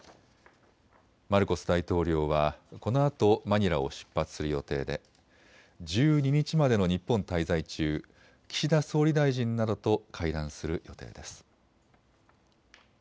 マルコス大統領はこのあとマニラを出発する予定で１２日までの日本滞在中、岸田総理大臣などと会談する予定です。